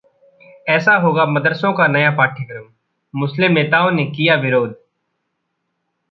ऐसा होगा मदरसों का नया पाठ्यक्रम! मुस्लिम नेताओं ने किया विरोध